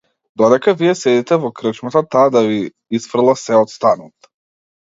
Додека вие седите во крчмата, таа да ви исфрла сѐ од станот!